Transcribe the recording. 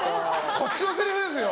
こっちのせりふですよ！